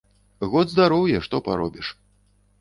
Год здароўя, што паробіш.